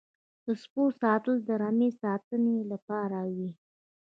د سپیو ساتل د رمې د ساتنې لپاره وي.